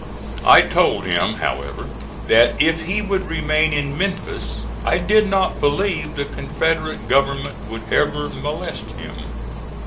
I told him, however, that if he would remain in Memphis I did not believe the Confederate government would ever molest him.